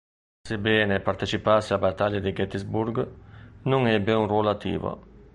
Sebbene partecipasse alla battaglia di Gettysburg, non ebbe un ruolo attivo.